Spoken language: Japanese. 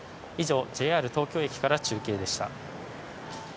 以上、ＪＲ東京駅から中継でした。